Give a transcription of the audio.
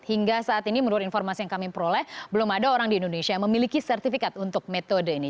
hingga saat ini menurut informasi yang kami peroleh belum ada orang di indonesia yang memiliki sertifikat untuk metode ini